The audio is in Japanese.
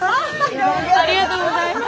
ありがとうございます。